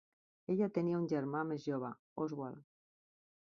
Ella tenia un germà més jove, Oswald.